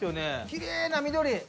きれいな緑。